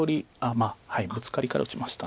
まあブツカリから打ちました。